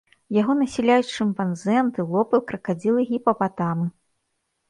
Яго насяляюць шымпанзэ, антылопы, кракадзілы, гіпапатамы.